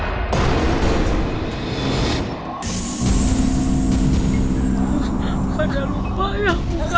aku udah lupa ya mukanya